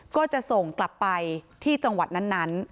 ก็จะส่งกลับไปที่จังหวัดนั้น